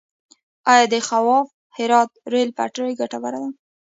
آیا د خواف - هرات ریل پټلۍ ګټوره ده؟